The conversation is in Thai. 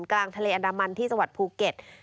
กลางทะเลอันดามันที่จังหวัดภูเก็ต